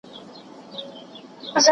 ګڼ توکي د بڼوال لخوا په اوږه راوړل کیږي.